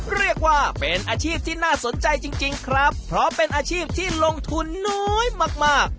เรียกว่าเป็นอาชีพที่น่าสนใจจริงครับเพราะเป็นอาชีพที่ลงทุนน้อยมาก